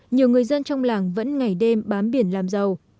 nhiều người dân trong làng vẫn ngày đêm bám biển làm giàu